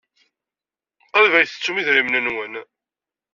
Qrib ay tettum idrimen-nwen.